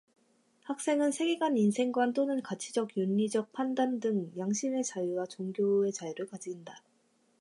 학생은 세계관·인생관 또는 가치적·윤리적 판단 등 양심의 자유와 종교의 자유를 가진다.